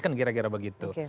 kan kira kira begitu